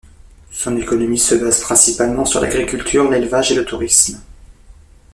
Son économie se base principalement sur l'agriculture, l'élevage et le tourisme.